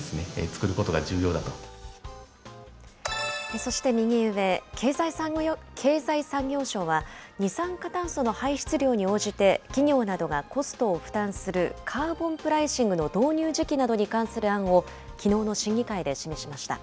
そして右上、経済産業省は、二酸化炭素の排出量に応じて、企業などがコストを負担するカーボンプライシングの導入時期などに関する案をきのうの審議会で示しました。